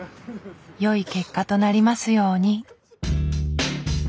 よい結果となりますように。